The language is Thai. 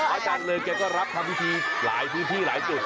อาจารย์เริ่งก็รับทางพิธีหลายพิธีหลายจุด